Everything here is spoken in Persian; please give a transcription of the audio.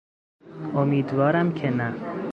امیدوارم که نه!